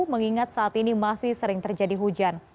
mengingat saat ini masih sering terjadi hujan